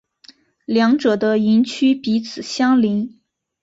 两者的营区彼此相邻。